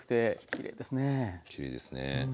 きれいですね。